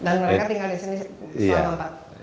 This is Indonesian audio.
dan mereka tinggal di sini selama empat tahun